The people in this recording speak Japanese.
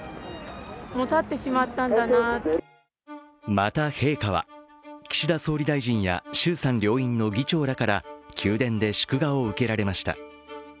また、陛下は岸田総理大臣や衆参両院の議長らから宮殿で祝賀を受けられました。